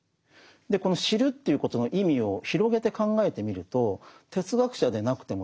この知るっていうことの意味を広げて考えてみると哲学者でなくてもですね